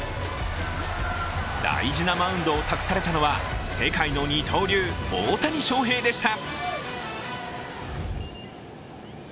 大事なマウンドを託されたのは世界の二刀流・大谷翔平でした。